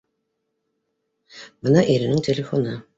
— Бына иренең телефоны